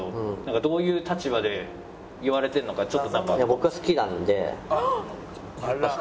どういう立場で言われてるのかちょっとなんか。